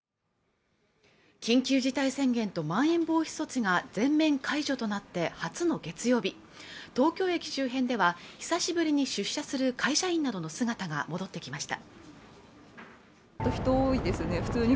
緊急事態宣言とまん延防止措置が全面解除となって初の月曜日東京駅周辺では久しぶりに出社する会社員などの姿が戻ってきました